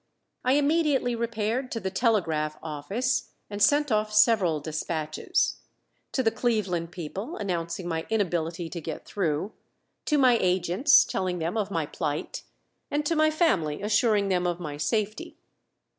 I immediately repaired to the telegraph office and sent off several despatches to the Cleveland people, announcing my inability to get through; to my agents, telling them of my plight; and to my family, assuring them of my safety.